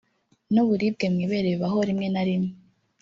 n’uburibwe mu ibere bibaho rimwe na rimwe